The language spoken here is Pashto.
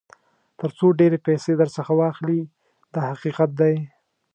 تر څو ډېرې پیسې درڅخه واخلي دا حقیقت دی.